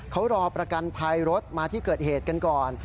เขารอประกันภัยรถมาที่เกิดเหตุกันก่อน